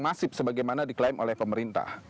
masif sebagaimana diklaim oleh pemerintah